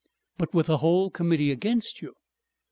"But with the whole Committee against you!"